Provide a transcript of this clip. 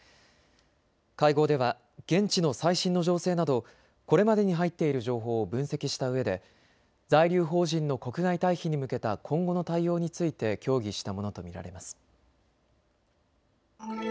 会合では現地の最新の情勢などこれまでに入っている情報を分析したうえで在留邦人の国外退避に向けた今後の対応について協議したものと見られます。